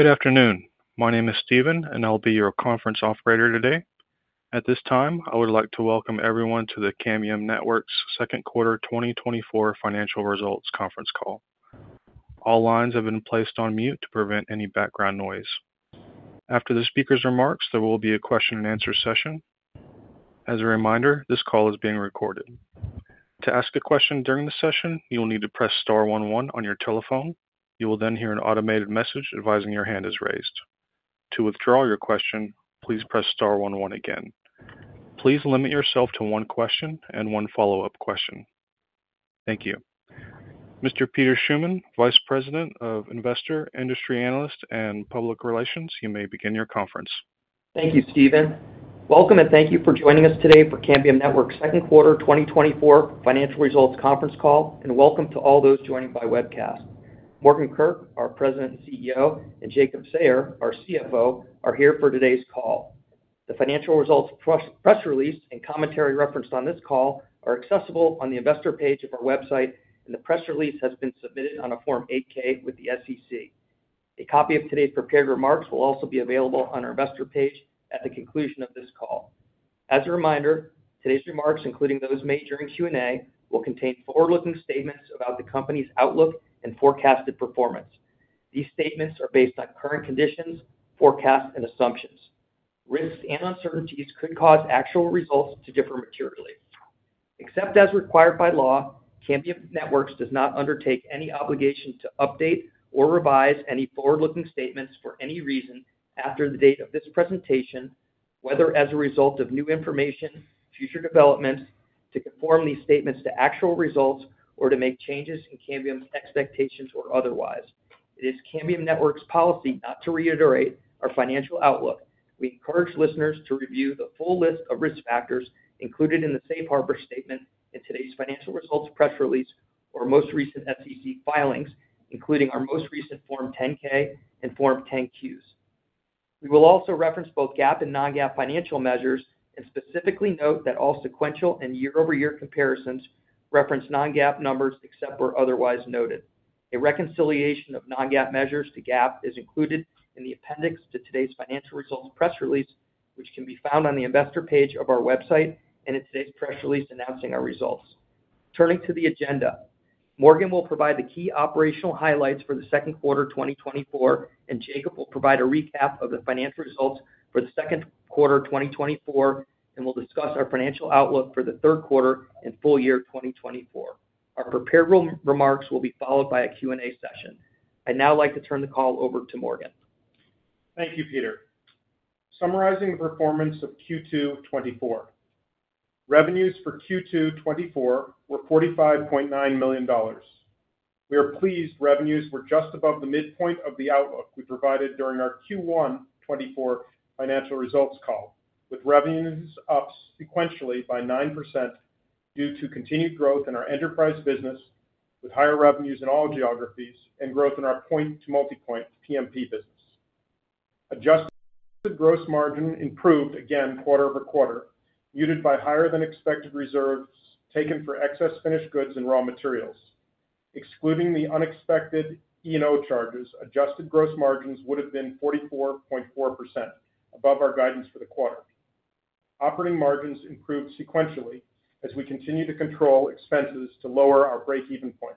Good afternoon. My name is Steven, and I'll be your conference operator today. At this time, I would like to welcome everyone to the Cambium Networks Second Quarter 2024 Financial Results Conference Call. All lines have been placed on mute to prevent any background noise. After the speaker's remarks, there will be a question and answer session. As a reminder, this call is being recorded. To ask a question during the session, you will need to press star one one on your telephone. You will then hear an automated message advising your hand is raised. To withdraw your question, please press star one one again. Please limit yourself to one question and one follow-up question. Thank you. Mr. Peter Schuman, Vice President of Investor, Industry Analyst, and Public Relations, you may begin your conference. Thank you, Steven. Welcome, and thank you for joining us today for Cambium Networks' Second Quarter 2024 Financial Results Conference Call, and welcome to all those joining by webcast. Morgan Kurk, our President and CEO, and Jacob Sayer, our CFO, are here for today's call. The financial results press release and commentary referenced on this call are accessible on the investor page of our website, and the press release has been submitted on a Form 8-K with the SEC. A copy of today's prepared remarks will also be available on our investor page at the conclusion of this call. As a reminder, today's remarks, including those made during Q&A, will contain forward-looking statements about the company's outlook and forecasted performance. These statements are based on current conditions, forecasts, and assumptions. Risks and uncertainties could cause actual results to differ materially. Except as required by law, Cambium Networks does not undertake any obligation to update or revise any forward-looking statements for any reason after the date of this presentation, whether as a result of new information, future developments, to conform these statements to actual results, or to make changes in Cambium's expectations or otherwise. It is Cambium Networks' policy not to reiterate our financial outlook. We encourage listeners to review the full list of risk factors included in the safe harbor statement in today's financial results press release or most recent SEC filings, including our most recent Form 10-K and Form 10-Qs. We will also reference both GAAP and non-GAAP financial measures and specifically note that all sequential and year-over-year comparisons reference non-GAAP numbers, except where otherwise noted. A reconciliation of non-GAAP measures to GAAP is included in the appendix to today's financial results press release, which can be found on the investor page of our website and in today's press release announcing our results. Turning to the agenda, Morgan will provide the key operational highlights for the second quarter 2024, and Jacob will provide a recap of the financial results for the second quarter 2024, and we'll discuss our financial outlook for the third quarter and full year 2024. Our prepared remarks will be followed by a Q&A session. I'd now like to turn the call over to Morgan. Thank you, Peter. Summarizing the performance of Q2 2024. Revenues for Q2 2024 were $45.9 million. We are pleased revenues were just above the midpoint of the outlook we provided during our Q1 2024 financial results call, with revenues up sequentially by 9% due to continued growth in our enterprise business, with higher revenues in all geographies and growth in our point-to-multipoint to PMP business. Adjusted gross margin improved again quarter-over-quarter, muted by higher-than-expected reserves taken for excess finished goods and raw materials. Excluding the unexpected E&O charges, adjusted gross margins would have been 44.4%, above our guidance for the quarter. Operating margins improved sequentially as we continue to control expenses to lower our breakeven point.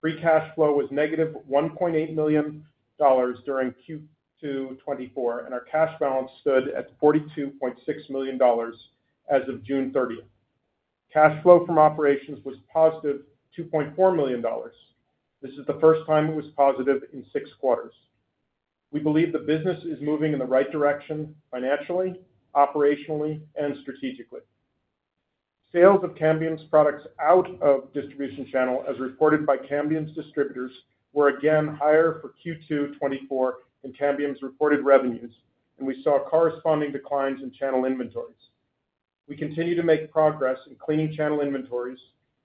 Free cash flow was negative $1.8 million during Q2 2024, and our cash balance stood at $42.6 million as of June 30. Cash flow from operations was positive $2.4 million. This is the first time it was positive in 6 quarters. We believe the business is moving in the right direction financially, operationally, and strategically. Sales of Cambium's products out of distribution channel, as reported by Cambium's distributors, were again higher for Q2 2024 than Cambium's reported revenues, and we saw corresponding declines in channel inventories. We continue to make progress in cleaning channel inventories,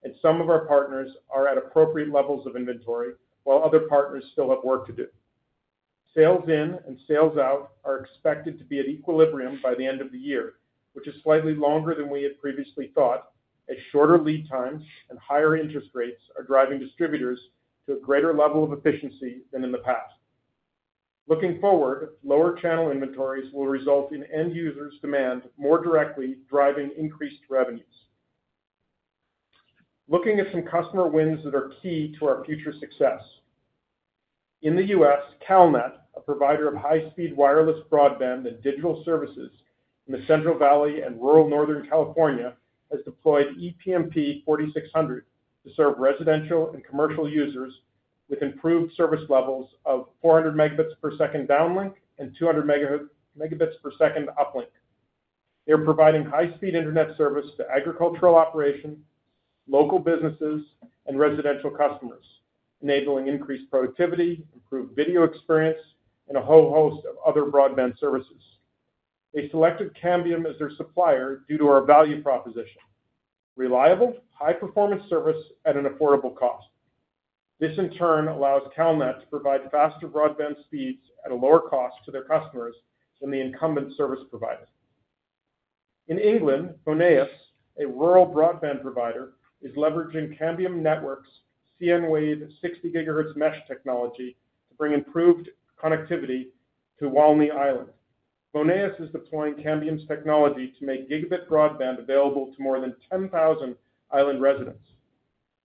and some of our partners are at appropriate levels of inventory, while other partners still have work to do. Sales in and sales out are expected to be at equilibrium by the end of the year, which is slightly longer than we had previously thought, as shorter lead times and higher interest rates are driving distributors to a greater level of efficiency than in the past. Looking forward, lower channel inventories will result in end users' demand more directly driving increased revenues. Looking at some customer wins that are key to our future success. In the U.S., Cal.net, a provider of high-speed wireless broadband and digital services in the Central Valley and rural Northern California, has deployed ePMP 4600 to serve residential and commercial users with improved service levels of 400 Mbps downlink and 200 Mbps uplink. They're providing high-speed internet service to agricultural operations, local businesses, and residential customers, enabling increased productivity, improved video experience, and a whole host of other broadband services. They selected Cambium as their supplier due to our value proposition: reliable, high-performance service at an affordable cost. This, in turn, allows Cal.net to provide faster broadband speeds at a lower cost to their customers than the incumbent service providers. In England, Voneus, a rural broadband provider, is leveraging Cambium Networks' cnWave 60 GHz mesh technology to bring improved connectivity to Walney Island. Voneus is deploying Cambium's technology to make gigabit broadband available to more than 10,000 island residents.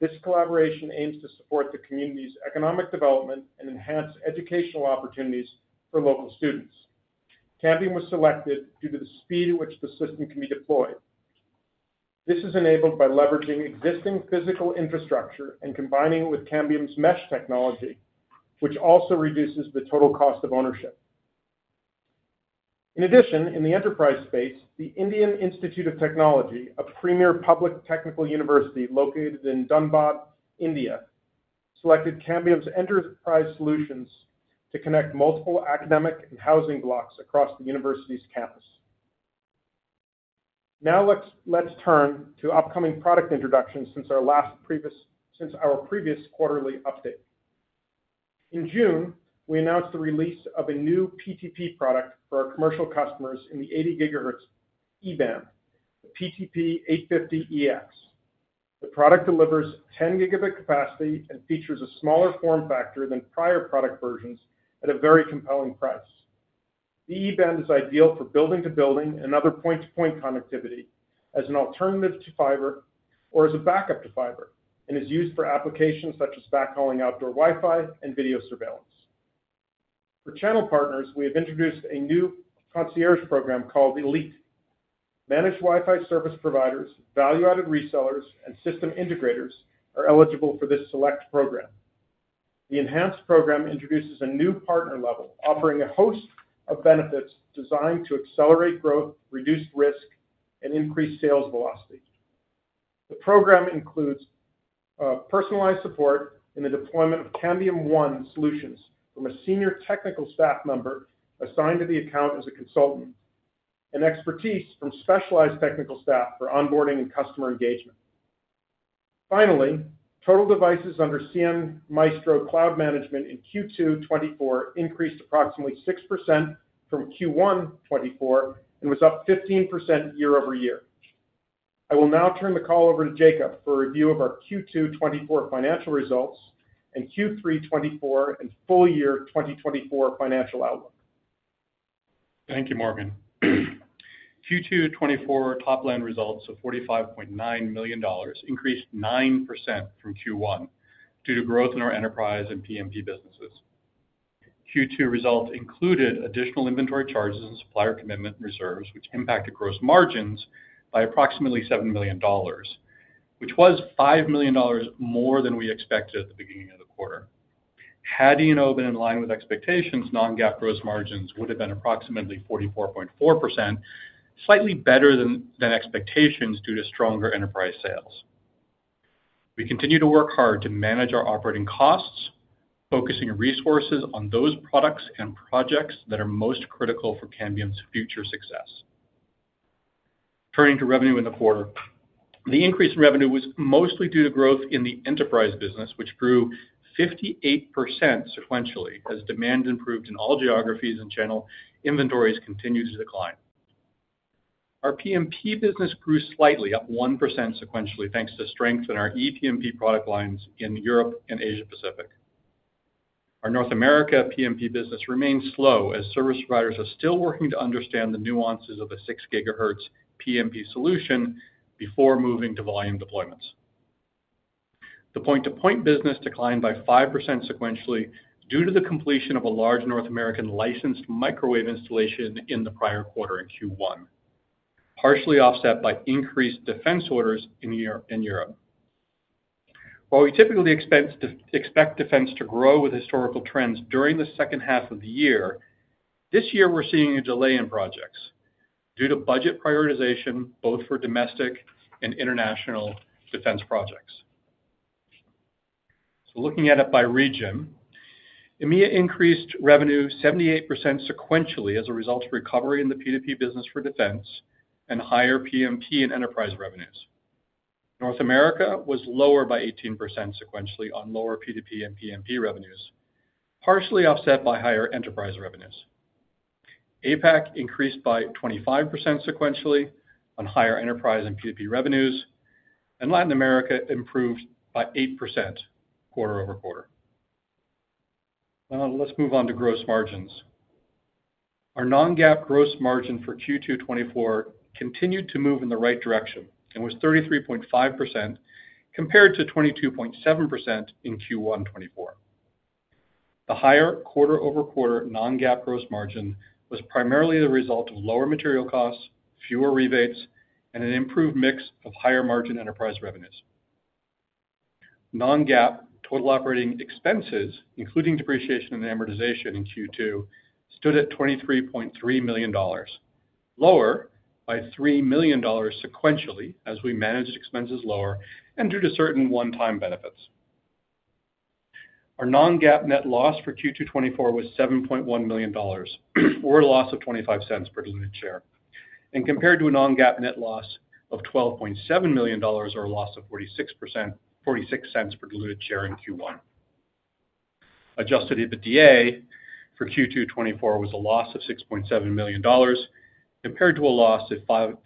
This collaboration aims to support the community's economic development and enhance educational opportunities for local students. Cambium was selected due to the speed at which the system can be deployed. This is enabled by leveraging existing physical infrastructure and combining it with Cambium's mesh technology, which also reduces the total cost of ownership. In addition, in the enterprise space, the Indian Institute of Technology, a premier public technical university located in Dhanbad, India, selected Cambium's enterprise solutions to connect multiple academic and housing blocks across the university's campus. Now let's turn to upcoming product introductions since our previous quarterly update. In June, we announced the release of a new PTP product for our commercial customers in the 80 GHz E-band, the PTP 850EX. The product delivers 10 Gb capacity and features a smaller form factor than prior product versions at a very compelling price. The E-band is ideal for building to building and other point-to-point connectivity as an alternative to fiber or as a backup to fiber, and is used for applications such as backhauling outdoor Wi-Fi and video surveillance. For channel partners, we have introduced a new concierge program called Elite. Managed Wi-Fi service providers, value-added resellers, and system integrators are eligible for this select program. The enhanced program introduces a new partner level, offering a host of benefits designed to accelerate growth, reduce risk, and increase sales velocity. The program includes personalized support in the deployment of Cambium ONE solutions from a senior technical staff member assigned to the account as a consultant, and expertise from specialized technical staff for onboarding and customer engagement. Finally, total devices under cnMaestro Cloud Management in Q2 2024 increased approximately 6% from Q1 2024 and was up 15% year-over-year. I will now turn the call over to Jacob for a review of our Q2 2024 financial results and Q3 2024 and full year 2024 financial outlook. Thank you, Morgan. Q2 2024 top-line results of $45.9 million increased 9% from Q1 due to growth in our enterprise and PMP businesses. Q2 results included additional inventory charges and supplier commitment reserves, which impacted gross margins by approximately $7 million, which was $5 million more than we expected at the beginning of the quarter. Had E&O been in line with expectations, non-GAAP gross margins would have been approximately 44.4%, slightly better than, than expectations due to stronger enterprise sales. We continue to work hard to manage our operating costs, focusing resources on those products and projects that are most critical for Cambium's future success. Turning to revenue in the quarter. The increase in revenue was mostly due to growth in the enterprise business, which grew 58% sequentially as demand improved in all geographies and channel inventories continued to decline. Our PMP business grew slightly, up 1% sequentially, thanks to strength in our ePMP product lines in Europe and Asia Pacific. Our North America PMP business remains slow as service providers are still working to understand the nuances of the 6 GHz PMP solution before moving to volume deployments. The point-to-point business declined by 5% sequentially due to the completion of a large North American licensed microwave installation in the prior quarter in Q1, partially offset by increased defense orders in Europe. While we typically expect defense to grow with historical trends during the second half of the year, this year we're seeing a delay in projects due to budget prioritization, both for domestic and international defense projects. So looking at it by region, EMEA increased revenue 78% sequentially as a result of recovery in the PTP business for defense and higher PMP and enterprise revenues. North America was lower by 18% sequentially on lower PTP and PMP revenues, partially offset by higher enterprise revenues. APAC increased by 25% sequentially on higher enterprise and PTP revenues, and Latin America improved by 8% quarter-over-quarter. Now, let's move on to gross margins. Our non-GAAP gross margin for Q2 2024 continued to move in the right direction and was 33.5%, compared to 22.7% in Q1 2024. The higher quarter-over-quarter non-GAAP gross margin was primarily the result of lower material costs, fewer rebates, and an improved mix of higher-margin enterprise revenues. Non-GAAP total operating expenses, including depreciation and amortization in Q2 2024, stood at $23.3 million, lower by $3 million sequentially as we managed expenses lower and due to certain one-time benefits. Our non-GAAP net loss for Q2 2024 was $7.1 million, or a loss of $.025 per diluted share, and compared to a non-GAAP net loss of $12.7 million, or a loss of $0.46 per diluted share in Q1 2024. Adjusted EBITDA for Q2 2024 was a loss of $6.7 million, compared to a loss of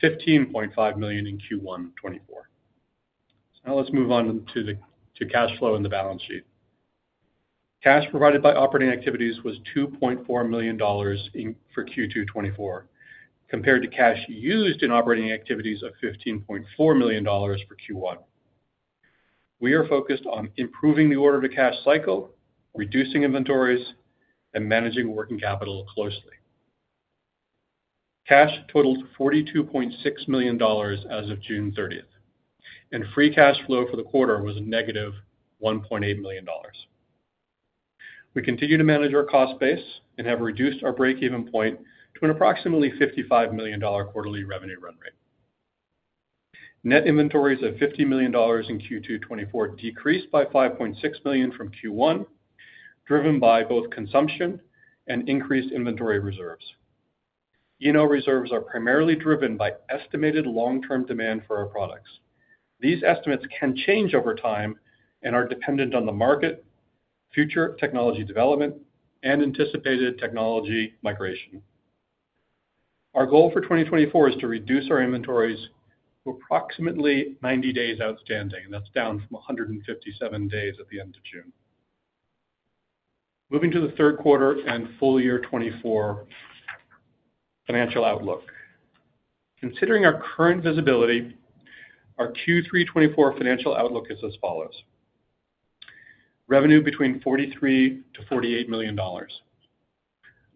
$15.5 million in Q1 2024. Now let's move on to cash flow and the balance sheet. Cash provided by operating activities was $2.4 million in Q2 2024, compared to cash used in operating activities of $15.4 million for Q1. We are focused on improving the order to cash cycle, reducing inventories, and managing working capital closely. Cash totaled $42.6 million as of June 30, and free cash flow for the quarter was a negative $1.8 million. We continue to manage our cost base and have reduced our breakeven point to an approximately $55 million quarterly revenue run rate. Net inventories of $50 million in Q2 2024 decreased by $5.6 million from Q1, driven by both consumption and increased inventory reserves. E&O reserves are primarily driven by estimated long-term demand for our products. These estimates can change over time and are dependent on the market, future technology development, and anticipated technology migration. Our goal for 2024 is to reduce our inventories to approximately 90 days outstanding, and that's down from 157 days at the end of June. Moving to the third quarter and full year 2024 financial outlook. Considering our current visibility, our Q3 2024 financial outlook is as follows: Revenue between $43 million-$48 million.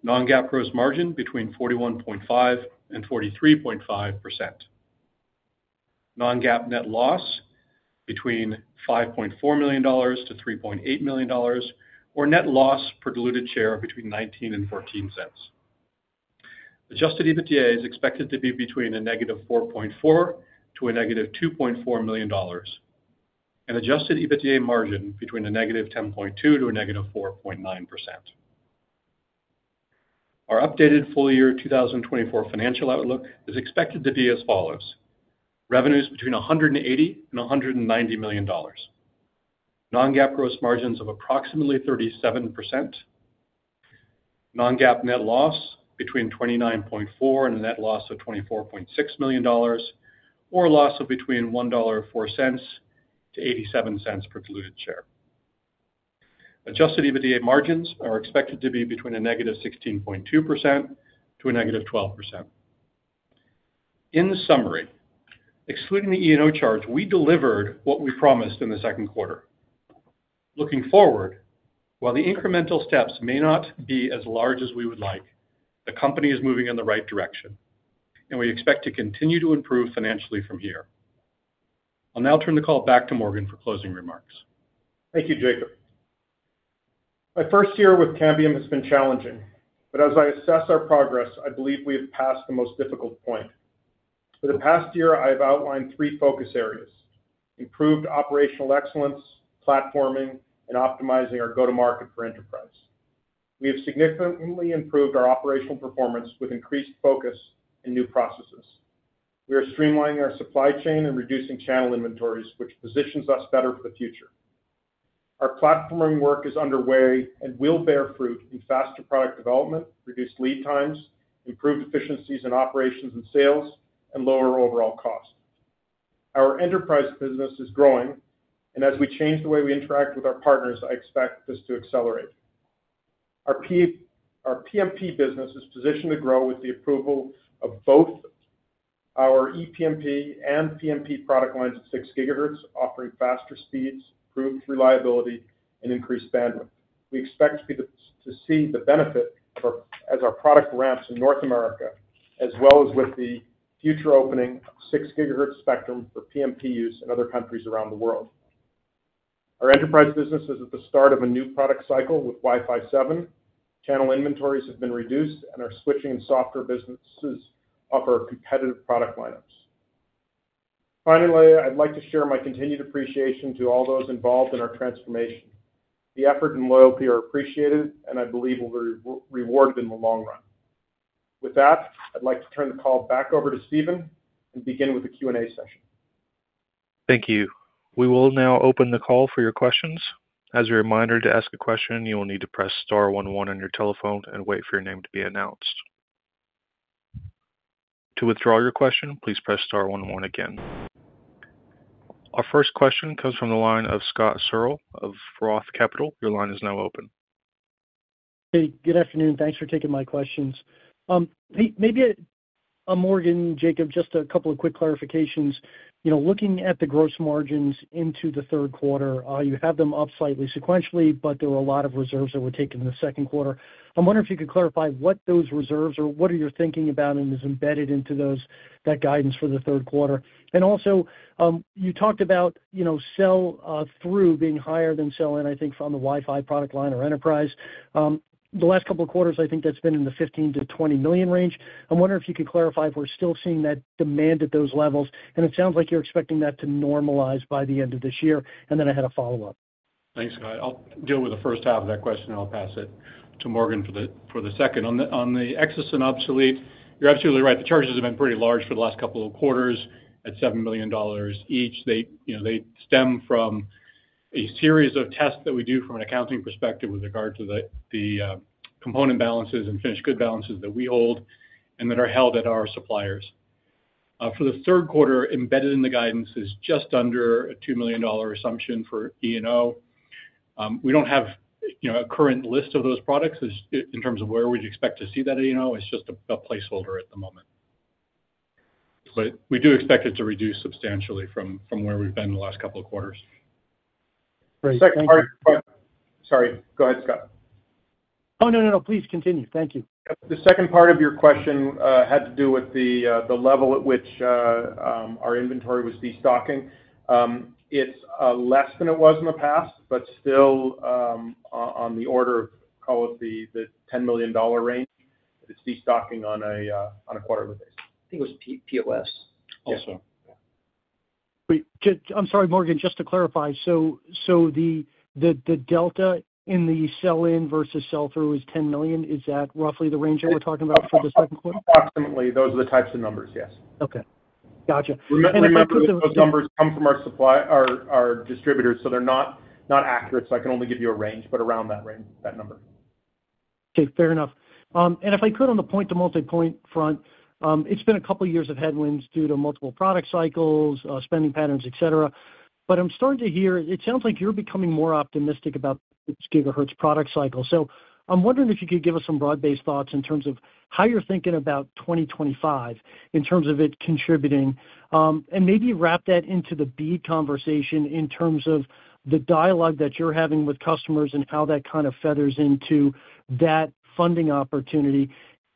Non-GAAP gross margin between 41.5%-43.5%. Non-GAAP net loss between $5.4 million-$3.8 million, or net loss per diluted share between $0.19 and $0.14. Adjusted EBITDA is expected to be between -$4.4 million and -$2.4 million, and adjusted EBITDA margin between -10.2% and -4.9%. Our updated full year 2024 financial outlook is expected to be as follows: Revenues between $180 million and $190 million. Non-GAAP gross margins of approximately 37%. Non-GAAP net loss between 29.4 and a net loss of 24.6 million dollars, or a loss of between $1.04 and $0.87 per diluted share. Adjusted EBITDA margins are expected to be between -16.2% and -12%. In summary, excluding the E&O charge, we delivered what we promised in the second quarter. Looking forward, while the incremental steps may not be as large as we would like, the company is moving in the right direction, and we expect to continue to improve financially from here. I'll now turn the call back to Morgan for closing remarks. Thank you, Jacob. My first year with Cambium has been challenging, but as I assess our progress, I believe we have passed the most difficult point. For the past year, I have outlined three focus areas: improved operational excellence, platforming, and optimizing our go-to-market for enterprise. We have significantly improved our operational performance with increased focus and new processes. We are streamlining our supply chain and reducing channel inventories, which positions us better for the future. Our platforming work is underway and will bear fruit in faster product development, reduced lead times, improved efficiencies in operations and sales, and lower overall costs. Our enterprise business is growing, and as we change the way we interact with our partners, I expect this to accelerate. Our PMP business is positioned to grow with the approval of both our ePMP and PMP product lines at 6 GHz, offering faster speeds, improved reliability, and increased bandwidth. We expect to see the benefit as our product ramps in North America, as well as with the future opening of 6 GHz spectrum for PMP use in other countries around the world. Our enterprise business is at the start of a new product cycle with Wi-Fi 7. Channel inventories have been reduced and are switching software businesses off our competitive product lineups. Finally, I'd like to share my continued appreciation to all those involved in our transformation. The effort and loyalty are appreciated, and I believe will be rewarded in the long run. With that, I'd like to turn the call back over to Steven and begin with the Q&A session. Thank you. We will now open the call for your questions. As a reminder, to ask a question, you will need to press star one one on your telephone and wait for your name to be announced. To withdraw your question, please press star one one again. Our first question comes from the line of Scott Searle of Roth Capital. Your line is now open. Hey, good afternoon. Thanks for taking my questions. Maybe, Morgan, Jacob, just a couple of quick clarifications. You know, looking at the gross margins into the third quarter, you have them up slightly sequentially, but there were a lot of reserves that were taken in the second quarter. I'm wondering if you could clarify what those reserves or what are you thinking about and is embedded into those, that guidance for the third quarter? And also, you talked about, you know, sell through being higher than sell-in, I think, from the Wi-Fi product line or enterprise. The last couple of quarters, I think that's been in the $15 million-$20 million range. I'm wondering if you could clarify if we're still seeing that demand at those levels, and it sounds like you're expecting that to normalize by the end of this year. Then I had a follow-up. Thanks, Scott. I'll deal with the first half of that question, and I'll pass it to Morgan for the second. On the excess and obsolete, you're absolutely right, the charges have been pretty large for the last couple of quarters at $7 million each. They, you know, they stem from a series of tests that we do from an accounting perspective with regard to the component balances and finished good balances that we hold and that are held at our suppliers. For the third quarter, embedded in the guidance is just under a $2 million assumption for E&O. We don't have, you know, a current list of those products is, in terms of where we'd expect to see that E&O, it's just a placeholder at the moment. But we do expect it to reduce substantially from, from where we've been in the last couple of quarters. Great. Sorry, go ahead, Scott. Oh, no, no, no, please continue. Thank you. The second part of your question had to do with the level at which our inventory was destocking. It's less than it was in the past, but still on the order of, call it, the $10 million range. It's destocking on a quarterly basis. I think it was P-POS. Also, yeah. Wait, J- I'm sorry, Morgan, just to clarify, the delta in the sell-in versus sell-through is $10 million. Is that roughly the range that we're talking about for the second quarter? Approximately, those are the types of numbers, yes. Okay. Gotcha. Remember, those numbers come from our suppliers, our distributors, so they're not accurate, so I can only give you a range, but around that range, that number. Okay, fair enough. And if I could, on the point-to-multipoint front, it's been a couple of years of headwinds due to multiple product cycles, spending patterns, et cetera. But I'm starting to hear it sounds like you're becoming more optimistic about this gigahertz product cycle. So I'm wondering if you could give us some broad-based thoughts in terms of how you're thinking about 2025, in terms of it contributing. And maybe wrap that into the BEAD conversation in terms of the dialogue that you're having with customers and how that kind of feathers into that funding opportunity.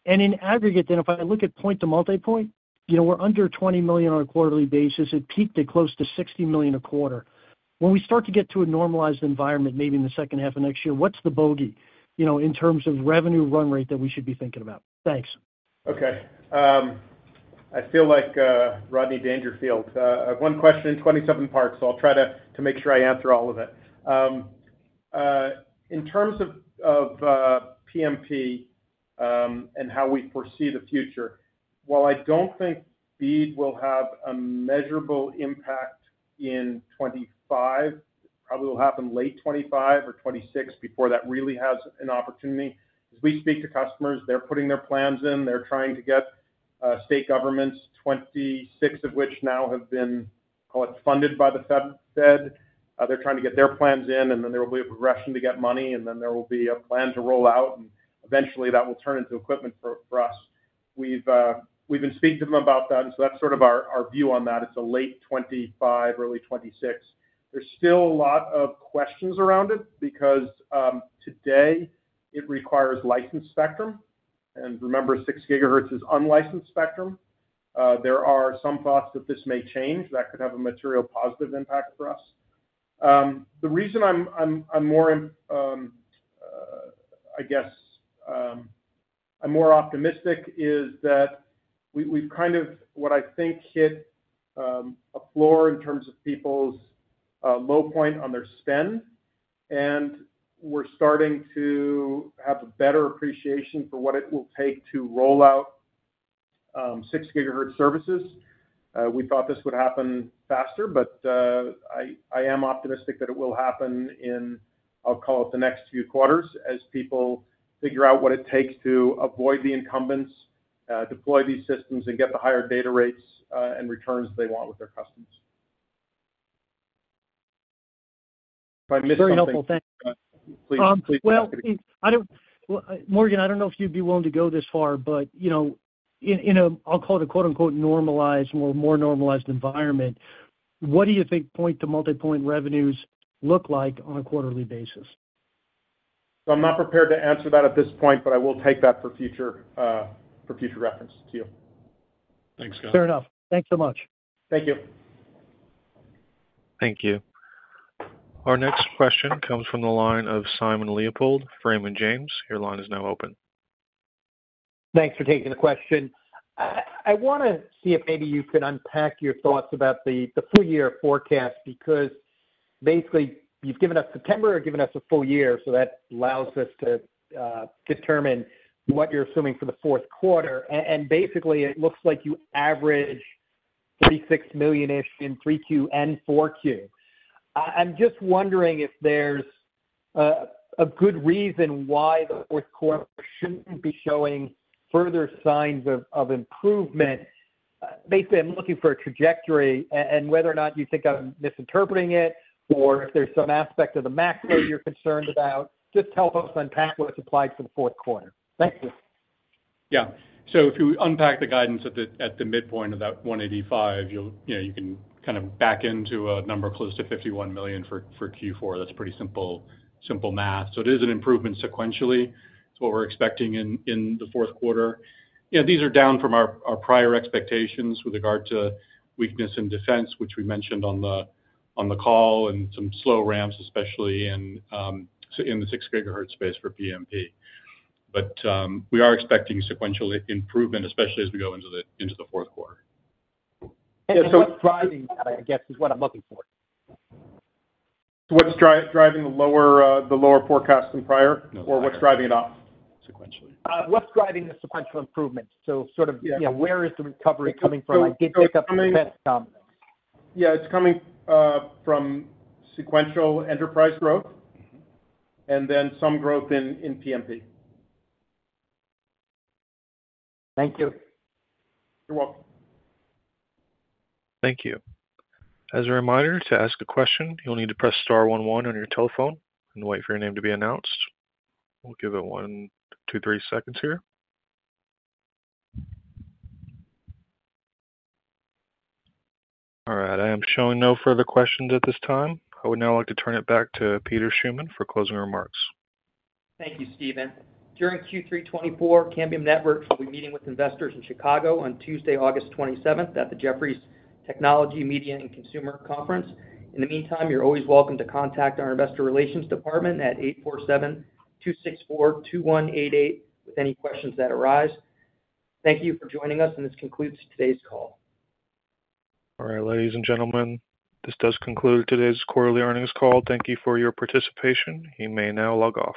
And in aggregate, then, if I look at point-to-multipoint, you know, we're under $20 million on a quarterly basis. It peaked at close to $60 million a quarter. When we start to get to a normalized environment, maybe in the second half of next year, what's the bogey, you know, in terms of revenue run rate that we should be thinking about? Thanks. Okay. I feel like Rodney Dangerfield. I have one question, 27 parts, so I'll try to make sure I answer all of it. In terms of PMP and how we foresee the future, while I don't think BEAD will have a measurable impact in 2025, probably will happen late 2025 or 2026 before that really has an opportunity. As we speak to customers, they're putting their plans in. They're trying to get state governments, 26 of which now have been, call it, funded by the Fed. They're trying to get their plans in, and then there will be a progression to get money, and then there will be a plan to roll out, and eventually that will turn into equipment for us. We've been speaking to them about that, and so that's sort of our view on that. It's a late 2025, early 2026. There's still a lot of questions around it because today it requires licensed spectrum, and remember, six gigahertz is unlicensed spectrum. There are some thoughts that this may change. That could have a material positive impact for us. The reason I'm more optimistic is that we've kind of, what I think, hit a floor in terms of people's low point on their spend, and we're starting to have a better appreciation for what it will take to roll out six gigahertz services. We thought this would happen faster, but I am optimistic that it will happen in, I'll call it, the next few quarters, as people figure out what it takes to avoid the incumbents, deploy these systems and get the higher data rates, and returns they want with their customers. If I missed something- Very helpful, thank you. Please, please... Well, I don't, Morgan, I don't know if you'd be willing to go this far, but, you know, in a, I'll call it a quote-unquote, "normalized" or more normalized environment, what do you think point-to-multipoint revenues look like on a quarterly basis? I'm not prepared to answer that at this point, but I will take that for future, for future reference to you. Thanks, Scott. Fair enough. Thanks so much. Thank you. Thank you. Our next question comes from the line of Simon Leopold, Raymond James. Your line is now open. Thanks for taking the question. I wanna see if maybe you could unpack your thoughts about the full year forecast, because basically, you've given us September or given us a full year, so that allows us to determine what you're assuming for the fourth quarter. And basically, it looks like you average $36 million-ish in Q3 and Q4. I'm just wondering if there's a good reason why the fourth quarter shouldn't be showing further signs of improvement. Basically, I'm looking for a trajectory and whether or not you think I'm misinterpreting it, or if there's some aspect of the macro you're concerned about, just help us unpack what it's applied for the fourth quarter. Thank you. Yeah. So if you unpack the guidance at the midpoint of that 185, you'll, you know, you can kind of back into a number close to $51 million for Q4. That's pretty simple, simple math. So it is an improvement sequentially. It's what we're expecting in the fourth quarter. You know, these are down from our prior expectations with regard to weakness in defense, which we mentioned on the call, and some slow ramps, especially in the 6 GHz space for PMP. But we are expecting sequential improvement, especially as we go into the fourth quarter. What's driving that, I guess, is what I'm looking for. What's driving the lower, the lower forecast than prior? No. Or what's driving it off? Sequentially. What's driving the sequential improvement? So sort of- Yeah. you know, where is the recovery coming from? I did pick up the best. Yeah, it's coming from sequential enterprise growth- Mm-hmm. and then some growth in PMP. Thank you. You're welcome. Thank you. As a reminder, to ask a question, you'll need to press star one one on your telephone and wait for your name to be announced. We'll give it one, two, three seconds here. All right, I am showing no further questions at this time. I would now like to turn it back to Peter Schuman for closing remarks. Thank you, Steven. During Q3 2024, Cambium Networks will be meeting with investors in Chicago on Tuesday, August 27, at the Jefferies Technology, Media, and Consumer Conference. In the meantime, you're always welcome to contact our investor relations department at 847-264-2188 with any questions that arise. Thank you for joining us, and this concludes today's call. All right, ladies and gentlemen, this does conclude today's quarterly earnings call. Thank you for your participation. You may now log off.